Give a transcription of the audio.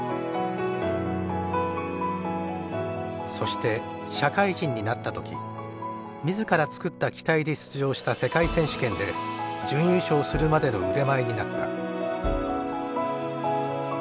そして社会人になった時自ら作った機体で出場した世界選手権で準優勝するまでの腕前になった。